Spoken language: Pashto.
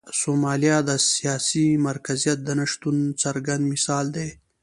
سومالیا د سیاسي مرکزیت د نشتون څرګند مثال دی.